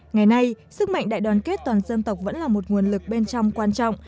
ngày nay sức mạnh đại đoàn kết toàn dân tộc vẫn là một nguồn lực bên trong quan trọng